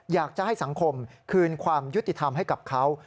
อยากจะให้สังคมคืนความยุติธรรมให้กับเขา